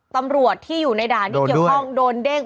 ตำรวจที่อยู่ในด่านที่เกี่ยวข้องโดนเด้ง